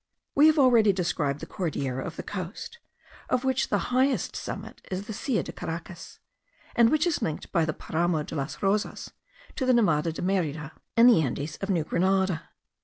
We have already described the Cordillera of the coast, of which the highest summit is the Silla de Caraccas, and which is linked by the Paramo de las Rosas to the Nevada de Merida, and the Andes of New Grenada.